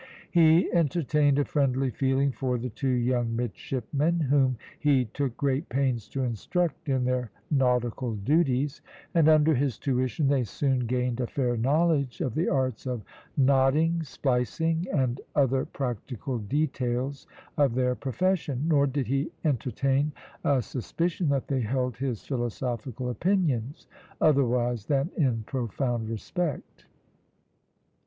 He entertained a friendly feeling for the two young midshipmen, whom he took great pains to instruct in their nautical duties; and under his tuition they soon gained a fair knowledge of the arts of knotting, splicing, and other practical details of their profession; nor did he entertain a suspicion that they held his philosophical opinions otherwise than in profound respect.